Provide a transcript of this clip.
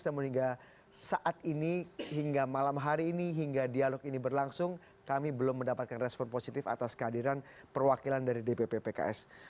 dan sehingga saat ini hingga malam hari ini hingga dialog ini berlangsung kami belum mendapatkan respon positif atas kehadiran perwakilan dari dpp pks